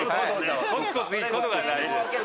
コツコツいくことが大事です。